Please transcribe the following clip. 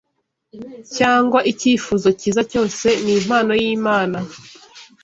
cyangwa icyifuzo cyiza cyose ni impano y’Imana